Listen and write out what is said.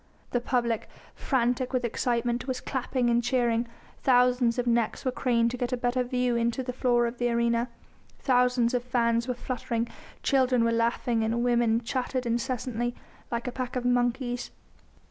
The public, frantic with excitement, was clapping and cheering; thousands of necks were craned to get a better view into the floor of the arena, thousands of fans were fluttering, children were laughing and women chattered incessantly, like a pack of monkeys.